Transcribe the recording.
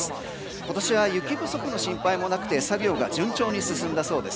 今年は雪不足の心配もなくて作業が順調に進んだそうです。